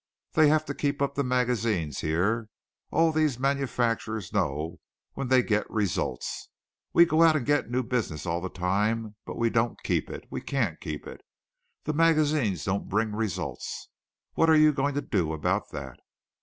They have to keep up the magazines here. All these manufacturers know when they get results. We go out and get new business all the time, but we don't keep it. We can't keep it. The magazines don't bring results. What are you going to do about that?"